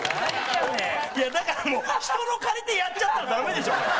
いやだからもう人の借りてやっちゃったらダメでしょ。